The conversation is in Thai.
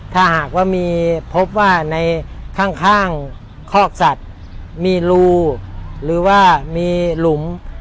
ถ้าหากว่ามีพบว่าในข้างคอกสัตว์มีรูหรือว่ามีหลุม